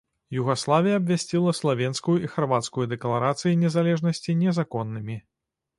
Югаславія абвясціла славенскую і харвацкую дэкларацыі незалежнасці незаконнымі.